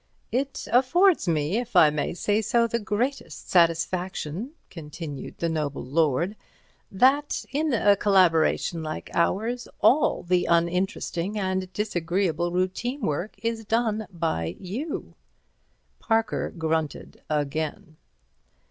"It affords me, if I may say so, the greatest satisfaction," continued the noble lord, "that in a collaboration like ours all the uninteresting and disagreeable routine work is done by you." Parker grunted again.